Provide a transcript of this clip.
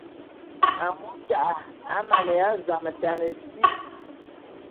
Amu ta'a amaneya zametane si.